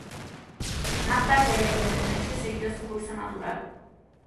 Más tarde, la independencia siguió su curso natural.